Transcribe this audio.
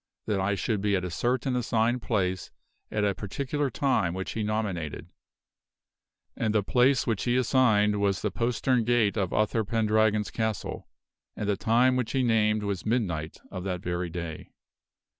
ITIIII \\ i that I should be at a certain assigned place at a particular time which he nominated ; and the place which he assigned was the postern gate of Uther Pendragon's castle ; and the time which he named was midnight of that very day.